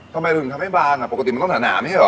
ทำไมเราถึงทำให้บางอ่ะปกติมันต้องหนาไม่ใช่เหรอ